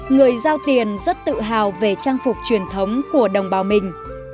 người giao tiền rất tự hào về trang phục truyền thống của đồng bào mình